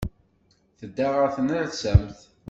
Tedda ɣer tnersamt.